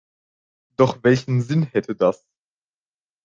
Doch welchen Sinn hätte das?